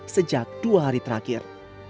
sejak dua hari terakhir